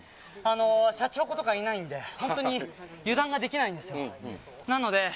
しゃちほことかいないので油断ができないんですよ。